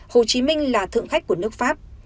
hồ chí minh là thượng khách của nước pháp